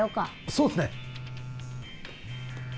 そうっすね。